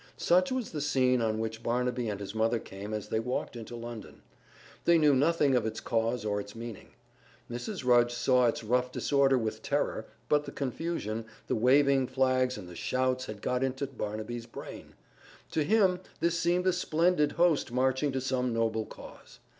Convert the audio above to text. Such was the scene on which Barnaby and his mother came as they walked into London. They knew nothing of its cause or its meaning. Mrs. Rudge saw its rough disorder with terror, but the confusion, the waving flags and the shouts had got into Barnaby's brain. To him this seemed a splendid host marching to some noble cause.